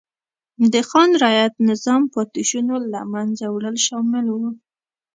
د خان رعیت نظام پاتې شونو له منځه وړل شامل و.